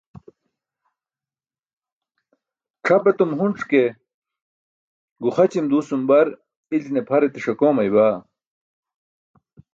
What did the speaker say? C̣ʰap etum hunc̣ ke guxaćim duusum bar iljine pʰar etis akoomayma.